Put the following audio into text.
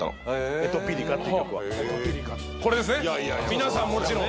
皆さんもちろん。